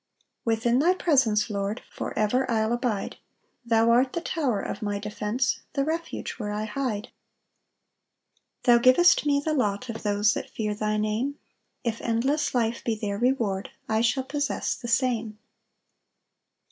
3 Within thy presence, Lord, For ever I'll abide; Thou art the tower of my defence, The refuge where I hide. 4 Thou givest me the lot Of those that fear thy Name; If endless life be their reward, I shall possess the same.